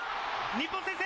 日本先制。